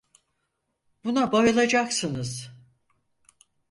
Buna bayılacaksınız.